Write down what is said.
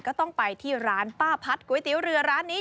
ก็ต้องไปที่ร้านป้าพัดก๋วยเตี๋ยวเรือร้านนี้